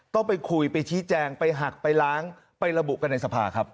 ต้องไปคุยไปชี้แจงไปหักไปล้างไประบุกันในสภาครับ